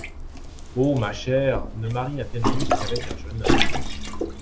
Oh! ma chère, ne marie Athénaïs qu’avec un jeune homme.